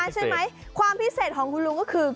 ใช่ไหมความพิเศษของคุณลุงก็คือ